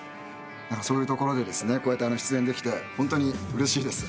そういうところでこうやって出演できてホントにうれしいです。